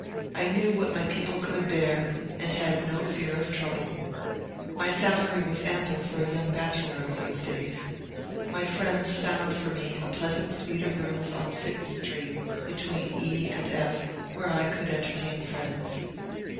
I knew what my people could bear, and had no fear of trouble. My salary was ample for a young bachelor of those days. My friends found for me a pleasant suite of rooms on Sixth Street, between E and F, where I could entertain friends.